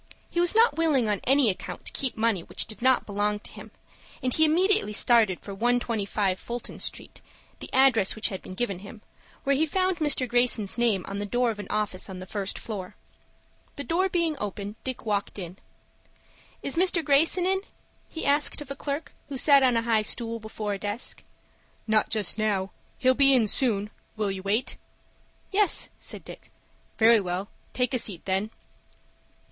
He was not willing on any account to keep money which did not belong to him, and he immediately started for 125 Fulton Street (the address which had been given him) where he found Mr. Greyson's name on the door of an office on the first floor. The door being open, Dick walked in. "Is Mr. Greyson in?" he asked of a clerk who sat on a high stool before a desk. "Not just now. He'll be in soon. Will you wait?" "Yes," said Dick. "Very well; take a seat then."